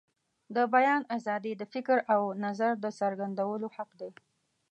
د بیان آزادي د فکر او نظر د څرګندولو حق دی.